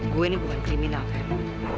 gue ini bukan kriminal kan